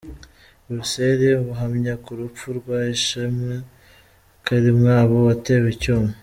Buruseli Ubuhamya ku rupfu rwa Ishimwe Karimwabo watewe icyuma